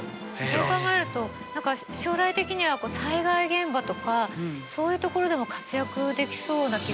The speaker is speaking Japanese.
そう考えると何か将来的には災害現場とかそういう所でも活躍できそうな気がしますね。